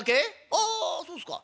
ああそうっすか。